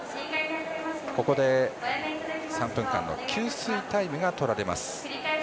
ここで３分間の給水タイムが取られます。